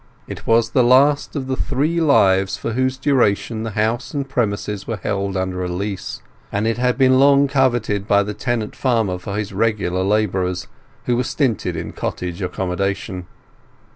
It was the last of the three lives for whose duration the house and premises were held under a lease; and it had long been coveted by the tenant farmer for his regular labourers, who were stinted in cottage accommodation.